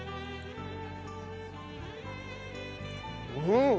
うん！